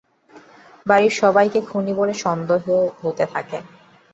বাড়ির সবাইকে খুনী বলে সন্দেহ হতে থাকে।